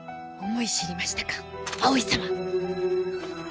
思い知りましたか葵様。